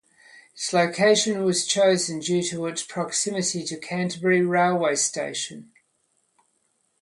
Its location was chosen due to its proximity to Canterbury railway station.